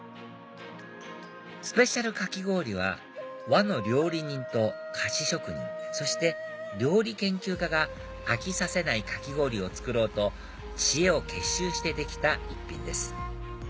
スペシャルかき氷は和の料理人と菓子職人そして料理研究家が飽きさせないかき氷を作ろうと知恵を結集してできた一品です